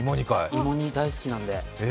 芋煮、大好きなんで。